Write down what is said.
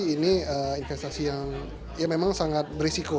investasi yang memang sangat berisiko